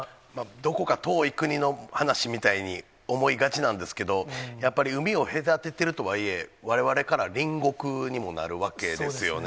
どこか遠い国の話みたいに思いがちなんですけど、やっぱり海を隔ててるとはいえ、われわれから隣国にもなるわけですよね。